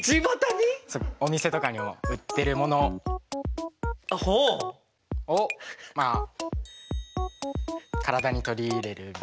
お店とかにも売ってるものをまあ体にとり入れるみたいな。